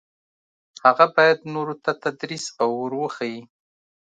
هغه باید نورو ته تدریس او ور وښيي.